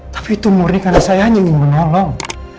tapi itu murni karena saya hanya ingin menolong